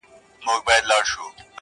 گراني اوس دي سترگي رانه پټي كړه.